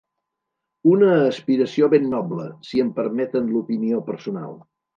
Una aspiració ben noble, si em permeten l'opinió personal.